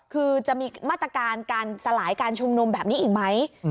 คือจะมีมาตรการการสลายการชุมนุมแบบนี้อีกไหม